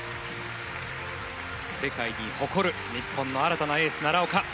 世界に誇る日本の新たなエース奈良岡。